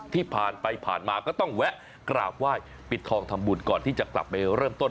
ผ่านไปผ่านมาก็ต้องแวะกราบไหว้ปิดทองทำบุญก่อนที่จะกลับไปเริ่มต้น